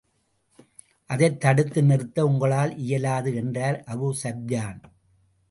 அதைத் தடுத்து நிறுத்த உங்களால் இயலாது. என்றார் அபூ ஸுப்யான்.